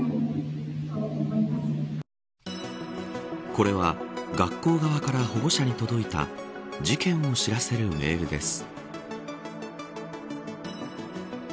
これは学校側から保護者に届いた事件を知らせるメールです。